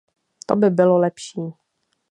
To by bylo lepší.